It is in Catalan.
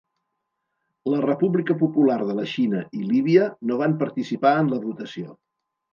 La República Popular de la Xina i Líbia no van participar en la votació.